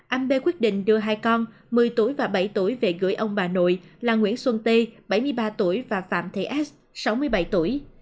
anh b quyết định đưa hai con một mươi tuổi và bảy tuổi về gửi ông bà nội là nguyễn xuân tê bảy mươi ba tuổi và phạm thế s sáu mươi bảy tuổi